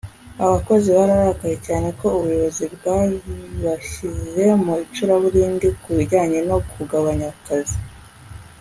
Abakozi bararakaye cyane ko ubuyobozi bwabashyize mu icuraburindi ku bijyanye no kugabanya akazi